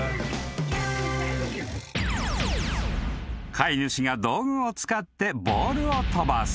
［飼い主が道具を使ってボールを飛ばす。